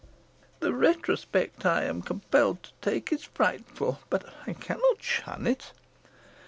The retrospect I am compelled to take is frightful, but I cannot shun it.